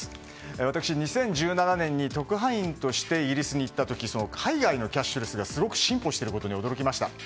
私、２０１７年に特派員としてイギリスに行った時海外のキャッシュレスがすごく進歩していることに驚きました。